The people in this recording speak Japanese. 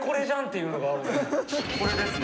これですね。